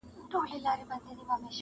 خریدار چي سوم د اوښکو دُر دانه سوم,